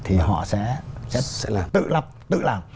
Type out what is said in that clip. thì họ sẽ tự lập tự làm